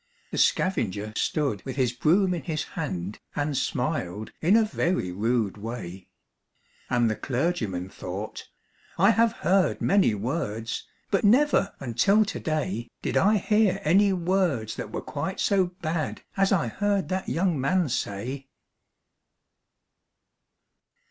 The scavenger stood with his broom in his hand, And smiled in a very rude way; And the clergyman thought, 'I have heard many words, But never, until to day, Did I hear any words that were quite so bad As I heard that young man say.'